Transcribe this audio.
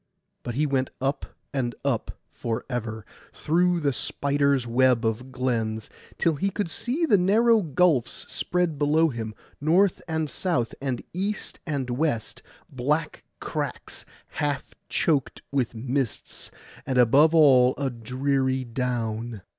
But he went up and up for ever, through the spider's web of glens, till he could see the narrow gulfs spread below him, north and south, and east and west; black cracks half choked with mists, and above all a dreary down.